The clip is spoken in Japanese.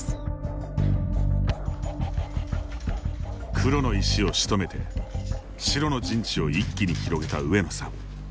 黒の石をしとめて白の陣地を一気に広げた上野さん。